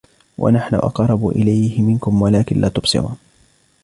ونحن أقرب إليه منكم ولكن لا تبصرون